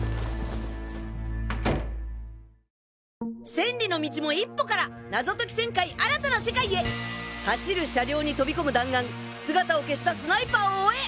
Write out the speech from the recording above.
千里の道も一歩から謎解き１０００回新たな世界へ走る車両に飛び込む弾丸姿を消したスナイパーを追え！